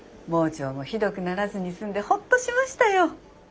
盲腸もひどくならずに済んでほっとしましたよ。